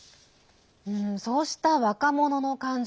そうした若者の感情